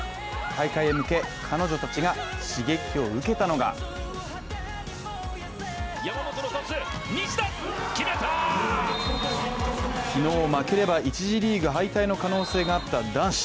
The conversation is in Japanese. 大会へ向け、彼女たちが刺激を受けたのが昨日、負ければ１次リーグ敗退の可能性があった男子。